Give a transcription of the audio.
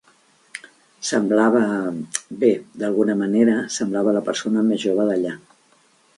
Semblava... bé, d'alguna manera, semblava la persona més jova d'allà.